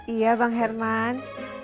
iya bang herman